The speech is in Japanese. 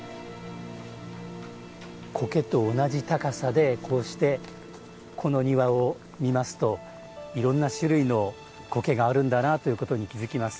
苔と同じ高さでこうして、この庭を見ますといろんな種類の苔があるんだなということに気付きます。